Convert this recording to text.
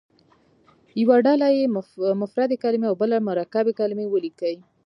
یوه ډله دې مفردې کلمې او بله مرکبې کلمې ولیکي.